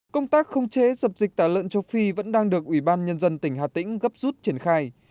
công tác không chế dập dịch tả lợn châu phi vẫn đang được ủy ban nhân dân tỉnh hà tĩnh gấp rút triển khai